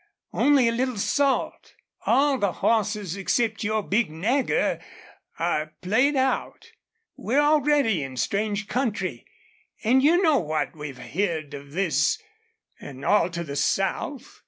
Only a little salt! All the hosses except your big Nagger are played out. We're already in strange country. An' you know what we've heerd of this an' all to the south.